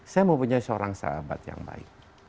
saya mempunyai seorang sahabat yang baik